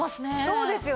そうですよね。